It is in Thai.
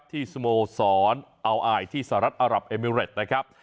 ที่สโมสรอัลอายที่สหรัฐอารับเอมิเรตนะครับ